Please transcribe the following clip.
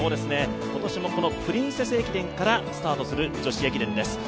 今年も「プリンセス駅伝」からスタートする女子駅伝です。